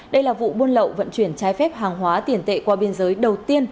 đây là vụ buôn lậu vận chuyển trái phép hàng hóa tiền tệ qua biên giới đầu tiên